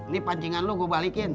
nih pancingan lu gua balikin